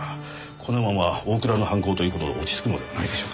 このまま大倉の犯行という事で落ち着くのではないでしょうかね。